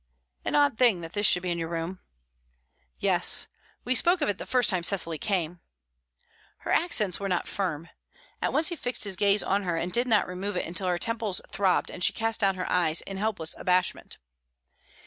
"An odd thing that this should be in your room." "Yes. We spoke of it the first time Cecily came." Her accents were not firm. At once he fixed his gaze on her, and did not remove it until her temples throbbed and she cast down her eyes in helpless abashment.